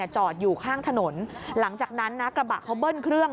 จอดอยู่ข้างถนนหลังจากนั้นนะกระบะเขาเบิ้ลเครื่อง